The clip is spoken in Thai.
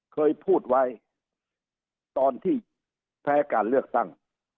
เคยพูดไว้ตอนที่แพ้การเลือกตั้ง